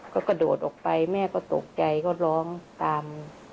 ก็กระโดดออกไปแม่ก็ตกใจก็ร้องตาม